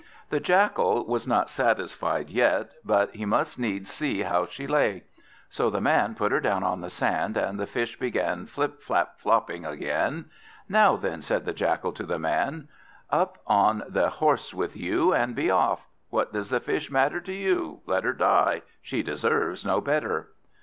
The Jackal was not satisfied yet, but he must needs see how she lay. So the Man put her down on the sand, and the Fish began flip flap flopping again. "Now then," said the Jackal to the Man, "up on the horse with you, and be off! What does the Fish matter to you? Let her die, she deserves no better."